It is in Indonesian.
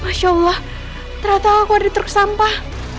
masya allah ternyata aku ada di truk sampah